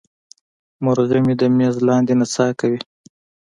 مرغه مې د میز لاندې نڅا کوي.